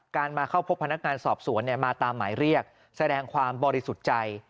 มาเข้าพบพนักงานสอบสวนมาตามหมายเรียกแสดงความบริสุทธิ์ใจ